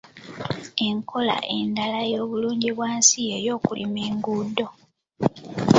Enkola endala eya bulungibwansi ye y'okulima enguudo.